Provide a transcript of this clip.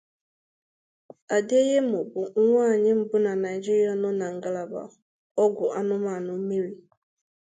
Adeyemo bu nwanyi mbu na Naijirịa nọ na ngalaba ọgwụ anụmanụ mmiri.